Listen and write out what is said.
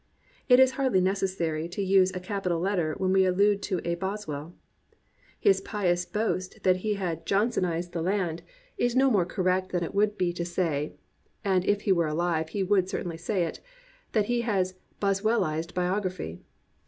It is hardly neces sary to use a capital letter when we allude to a bos well. His pious boast that he had "Johnsonized 312 A STURDY BELIEVER the land," is no more correct than it would be to say, (and if he were alive he would certainly say it,) that he had bosweUized biography.